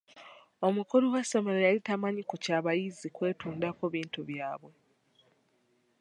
Omukulu w'essomero yali tamanyi ku kya bayizi kwetundako bintu byabwe.